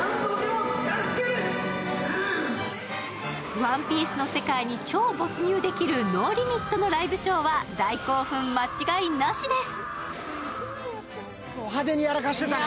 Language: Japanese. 「ＯＮＥＰＩＥＣＥ」の世界に超没入できる限界突破のショーは大興奮間違いなしです！